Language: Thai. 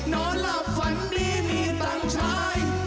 นอนแล้วฝันดีมีตังชาย